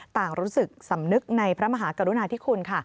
ต่างรู้สึกสำนึกในพระมหากรุณาธิคุณค่ะ